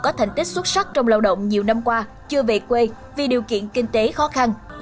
có thành tích xuất sắc trong lao động nhiều năm qua chưa về quê vì điều kiện kinh tế khó khăn